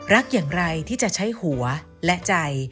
รักอย่างไรที่จะใช้หัวและใจ